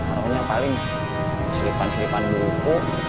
orangnya paling selipan selipan buku